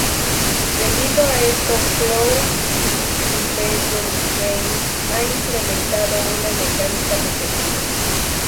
Debido a esto Cloud Imperium Games ha implementado una mecánica de Seguros.